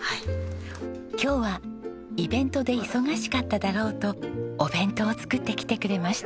今日はイベントで忙しかっただろうとお弁当を作ってきてくれました。